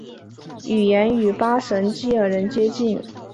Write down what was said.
语言与巴什基尔人接近。